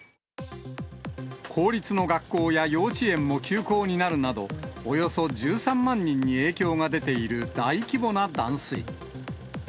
公立の学校や幼稚園も休校になるなど、およそ１３万人に影響が出ている大規模な断水。